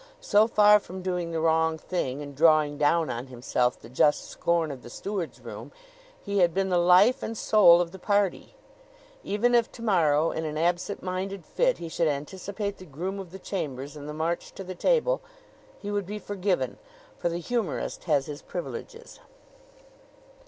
So far from doing the wrong thing and drawing down on himself the just scorn of the steward's room, he had been the life and soul of the party. Even if to morrow, in an absent minded fit, he should anticipate the groom of the chambers in the march to the table, he would be forgiven; for the humorist has his privileges.